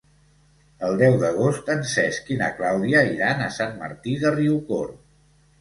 El deu d'agost en Cesc i na Clàudia iran a Sant Martí de Riucorb.